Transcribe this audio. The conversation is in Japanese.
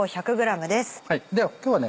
では今日はね